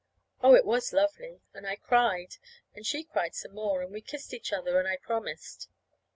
Oh, it was lovely! And I cried, and she cried some more, and we kissed each other, and I promised.